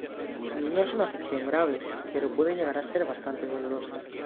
No es una afección grave, pero puede llegar a ser bastante dolorosa.